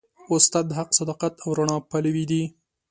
استاد د حق، صداقت او رڼا پلوي دی.